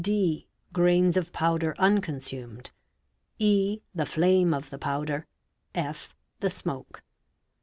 . (dq) Grains of powder unconsumed, (e) The flame of the powder. (f) The smoke.